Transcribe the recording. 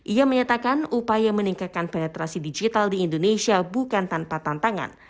ia menyatakan upaya meningkatkan penetrasi digital di indonesia bukan tanpa tantangan